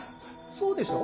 そうでしょう？